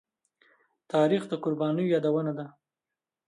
تاریخ د قربانيو يادونه ده.